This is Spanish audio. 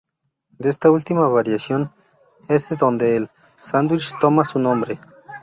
De esta última variación es de donde el sándwich toma su nombre.